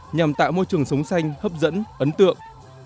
nhằm tạo môi trường sống xanh hấp dẫn ấn tượng